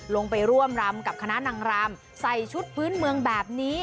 ลงไปร่วมรำกับคณะนางรำใส่ชุดพื้นเมืองแบบนี้